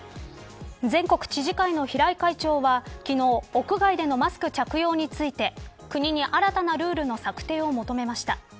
全国知事会の平井会長は昨日、屋外でのマスク着用について国に新たなルールの策定を求めました。